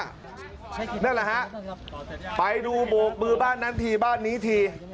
นั่นแหละฮะไปดูโบกมือบ้านนั้นทีบ้านนี้ที